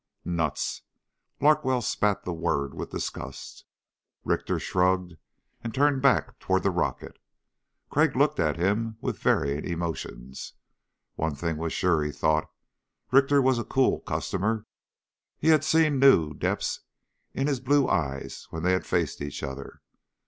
"Nuts." Larkwell spat the word with disgust. Richter shrugged and turned back toward the rocket. Crag looked at him with varying emotions. One thing was sure, he thought. Richter was a cool customer. He had seen new depths in his blue eyes when they had faced each other.